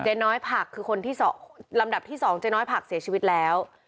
น้อยผักคือคนที่ลำดับที่๒เจ๊น้อยผักเสียชีวิตแล้ว